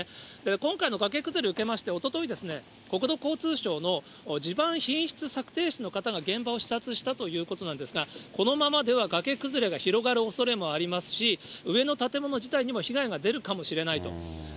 今回のがけ崩れを受けまして、おととい、国土交通省の地盤品質さくてい士の方が現場を視察したということなんですが、このままでは崖崩れが広がるおそれもありますし、上の建物自体にも被害が出るかもしれないと。